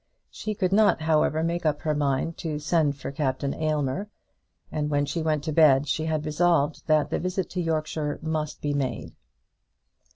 She could not, however, make up her mind to send for Captain Aylmer, and when she went to bed she had resolved that the visit to Yorkshire must be made.